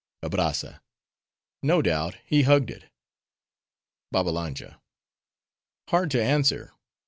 ABRAZZA—No doubt, he hugged it. BABBALANJA—Hard to answer.